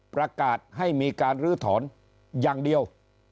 ประกาศให้มีการลื้อถอนอย่างเดียว